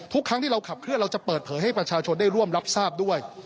ทุกครั้งที่เราขับเคลื่อนเราจะเปิดเผยให้ประชาชนได้ร่วมรับทราบด้วย